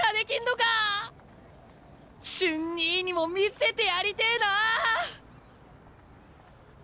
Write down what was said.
瞬兄にも見せてやりてえなあ！